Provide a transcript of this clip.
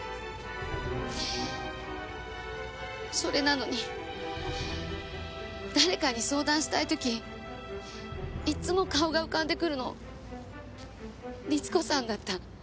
それなのに誰かに相談したい時いつも顔が浮かんでくるの律子さんだった。